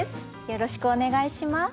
よろしくお願いします。